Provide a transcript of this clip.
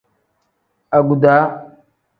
Aguda.